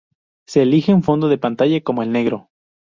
Se elige un fondo de pantalla como el negro.